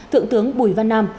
thượng tướng bùi văn nam